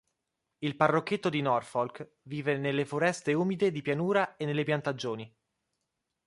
Il parrocchetto di Norfolk vive nelle foreste umide di pianura e nelle piantagioni.